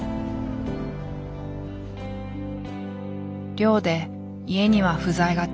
漁で家には不在がち。